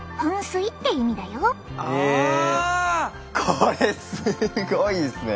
これすごいっすね。